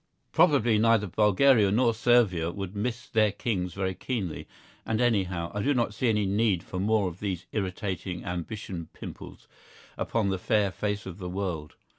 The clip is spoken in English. Probably neither Bulgaria nor Servia would miss their kings very keenly, and anyhow, I do not see any need for more of these irritating ambition pimples upon the fair face of the world.